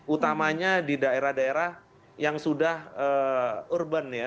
utamanya di daerah daerah yang sudah urban ya